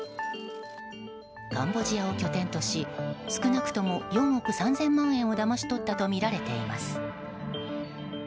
カンボジアを拠点とし少なくとも４億３０００万円をだまし取ったとみられています。